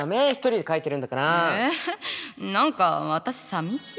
何か私さみしい。